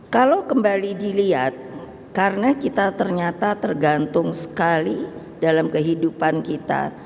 kalau kembali dilihat karena kita ternyata tergantung sekali dalam kehidupan kita